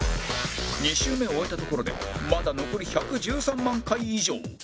２周目を終えたところでまだ残り１１３万回以上